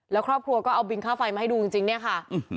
แล้วครอบครัวก็เอาบินค่าไฟมาให้ดูจริงเนี่ยค่ะ